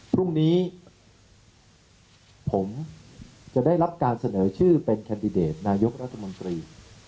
พรุ่งนี้ผมจะได้รับการเสนอชื่อเป็นแคนดิเดตนายกรัฐมนตรี